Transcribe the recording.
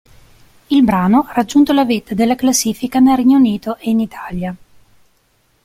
Il brano ha raggiunto la vetta della classifica nel Regno Unito e in Italia.